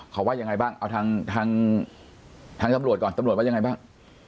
เขาว่ายังไงบ้างเอาทางทางตำรวจก่อนตำรวจว่ายังไงบ้าง